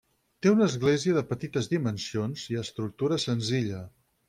Té una església de petites dimensions i estructura senzilla.